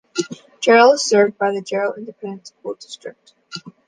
Jarrell is served by the Jarrell Independent School District.